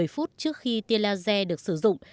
một mươi phút trước khi tiên laser được sử dụng